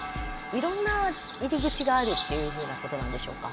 いろんな入り口があるっていうふうなことなんでしょうか。